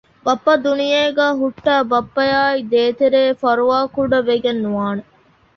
ބައްޕަ ދުނިޔޭގައި ހުއްޓައި ބައްޕައާއި ދޭތެރޭ ފަރުވާކުޑަ ވެގެން ނުވާނެ